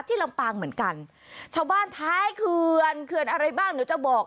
ลำปางเหมือนกันชาวบ้านท้ายเขื่อนเขื่อนอะไรบ้างเดี๋ยวจะบอก